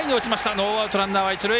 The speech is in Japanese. ノーアウト、ランナーは一塁。